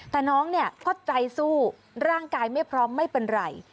แต่น้องเนี่ยก็ใจสู้ร่างกายไม่พร้อมไม่เป็นไร